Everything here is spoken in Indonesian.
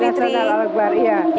resti sehat dalam kemati